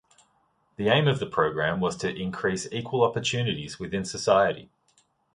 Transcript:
The aim of the program was to increase equal opportunities within society.